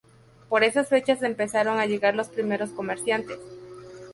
Por esas fechas empezaron a llegar los primeros comerciantes.